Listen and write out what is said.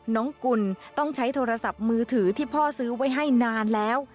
กุลต้องใช้โทรศัพท์มือถือที่พ่อซื้อไว้ให้นานแล้ว